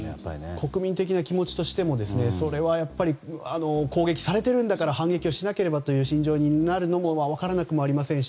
国民的な気持ちとしてもそれはやっぱり攻撃されているんだから反撃をしなければという心情になるのも分からなくもありませんし。